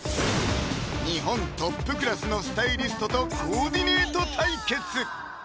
日本トップクラスのスタイリストとコーディネート対決